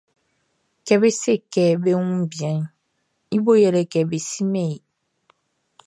Kɛ be se kɛ be wun bianʼn, i boʼn yɛle kɛ be simɛn i.